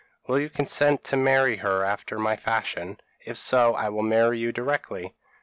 Will you consent to marry her after my fashion? if so, I will marry you directly.'